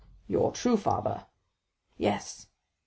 "Your true father?" "Yes."